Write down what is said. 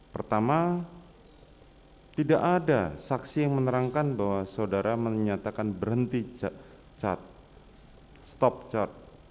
pertama tidak ada saksi yang menerangkan bahwa saudara menyatakan berhenti cat stop chart